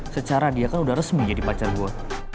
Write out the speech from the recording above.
secara dia kan sudah resmi jadi pacar gue